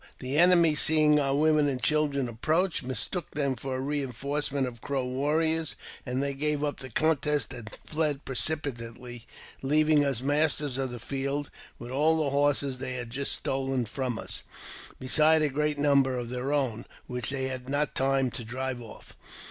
The enemy, seeing our women and children approach, mistook them for a reinforcement of Crow warriors, and they gave up AUTOBIOGBAPHY OF JAMES P. BECKWOUBTH. 281 the contest and fled precipitately, leaving us masters of the field, with all the horses they had just stolen from us, besides a great number of their own, which they had not time to drive off.